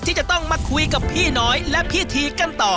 ที่จะต้องมาคุยกับพี่น้อยและพี่ทีกันต่อ